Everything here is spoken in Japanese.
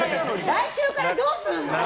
来週からどうすんの！